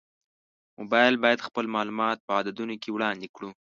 موږ باید خپل معلومات په عددونو کې وړاندې کړو.